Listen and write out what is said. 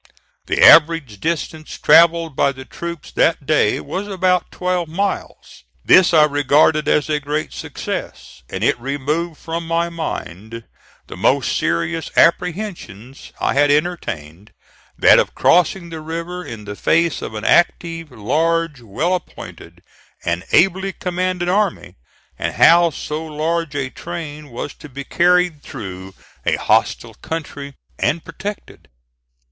The average distance travelled by the troops that day was about twelve miles. This I regarded as a great success, and it removed from my mind the most serious apprehensions I had entertained, that of crossing the river in the face of an active, large, well appointed, and ably commanded army, and how so large a train was to be carried through a hostile country, and protected.